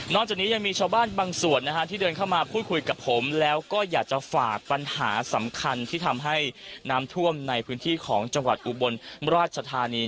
จากนี้ยังมีชาวบ้านบางส่วนที่เดินเข้ามาพูดคุยกับผมแล้วก็อยากจะฝากปัญหาสำคัญที่ทำให้น้ำท่วมในพื้นที่ของจังหวัดอุบลราชธานี